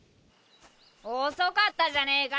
遅かったじゃねえか！